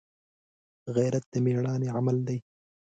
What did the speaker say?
غیرت د مړانې عمل دی